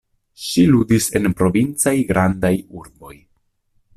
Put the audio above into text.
Ŝi ludis en provincaj grandaj urboj.